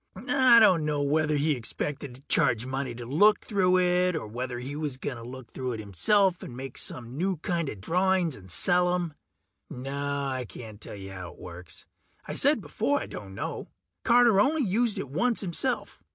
I dunno whether he expected to charge money to look through it, or whether he was gonna look through it himself and make some new kinda drawings and sell 'em. No, I can't tell you how it works I said before I don't know. Carter only used it once himself.